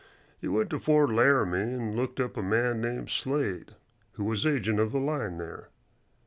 He went to Fort Laramie and looked up a man named Slade, who was agent of the line there.